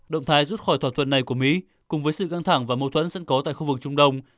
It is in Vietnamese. động thái rút khỏi thỏa thuận này của mỹ cùng với sự căng thẳng và mâu thuẫn sẵn có tại khu vực trung đông